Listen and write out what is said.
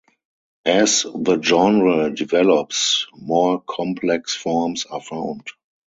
As the genre develops, more complex forms are found.